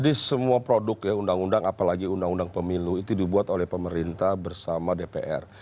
jadi semua produk ya undang undang apalagi undang undang pemilu itu dibuat oleh pemerintah bersama dpr